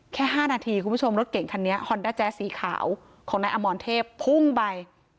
แค่๕นาทีคุณผู้ชมรถเก่งคันนี้ฮอนด้าแจ๊สสีขาวของนายอมรเทพพุ่งไป